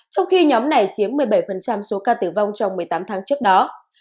trong khi nhóm này chiếm một mươi bảy số ca tử vong trong một mươi tám tháng trước đó